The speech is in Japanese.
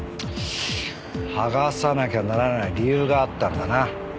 剥がさなきゃならない理由があったんだな。